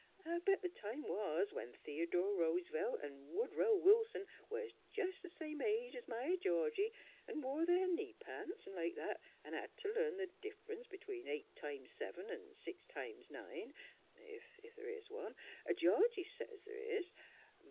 I bet th' time was when The'dore Roos'velt an' Woodrow Wilson was jest th' same age 's my Georgie, 'n' wore their knee pants an' like that, an' hed t' learn th' differ'nce b'tween eight times seven and six times nine ef th' is one. Georgie says th' is.